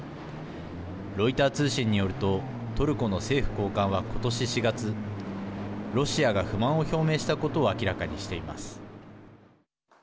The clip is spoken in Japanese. ロイター通信によるとトルコの政府高官は今年４月ロシアが不満を表明したことを明らかにしています。